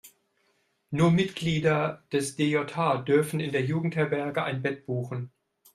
Nur Mitglieder des DJH dürfen in der Jugendherberge ein Bett buchen.